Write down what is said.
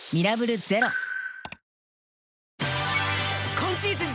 今シーズン